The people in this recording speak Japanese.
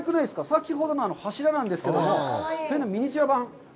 先ほどの柱なんですけども、それのミニチュア版。